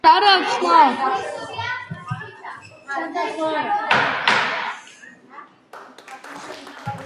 ულუღ ბეგი ბავშვობიდანვე დიდ ინტერესს იჩენდა მათემატიკისადმი.